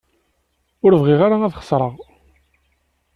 Ur bɣiɣ ara ad xeṣreɣ.